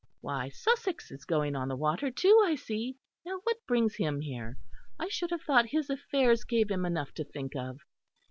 Why, Sussex is going on the water, too, I see. Now what brings him here? I should have thought his affairs gave him enough to think of....